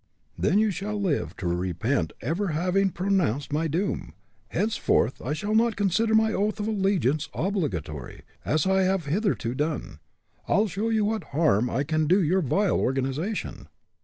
"Then you shall live to repent ever having pronounced my doom. Henceforth I shall not consider my oath of allegiance obligatory, as I have hitherto done. I'll show you what harm I can do your vile organization."